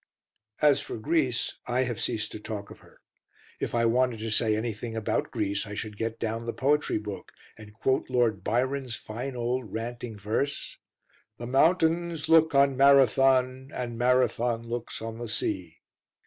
As for Greece, I have ceased to talk of her. If I wanted to say anything about Greece I should get down the Poetry Book and quote Lord Byron's fine old ranting verse. "The mountains look on Marathon and Marathon looks on the sea."